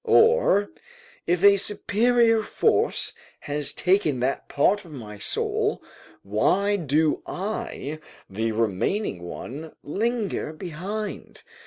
] or: ["If a superior force has taken that part of my soul, why do I, the remaining one, linger behind?